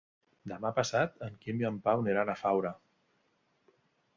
Demà passat en Quim i en Pau aniran a Faura.